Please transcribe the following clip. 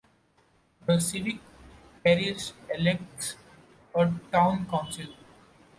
The civil parish elects a town council.